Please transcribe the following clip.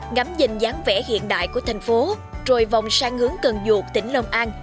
ngắm nhìn dáng vẻ hiện đại của thành phố rồi vòng sang hướng cần duột tỉnh lông an